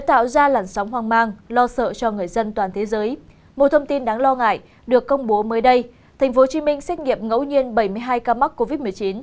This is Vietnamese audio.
một thông tin đáng lo ngại được công bố mới đây tp hcm xét nghiệm ngẫu nhiên bảy mươi hai ca mắc covid một mươi chín